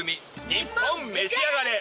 『ニッポンめしあがれ』。